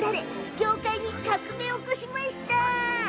業界に革命を起こしました。